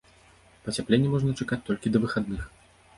Пацяпленне можна чакаць толькі да выхадных.